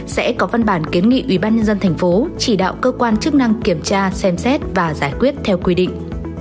sẽ có văn bản kiến nghị ubnd tp chỉ đạo cơ quan chức năng kiểm tra xem xét và giải quyết theo quy định